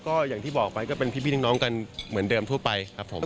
ก็อย่างที่บอกไปก็เป็นพี่น้องกันเหมือนเดิมทั่วไปครับผม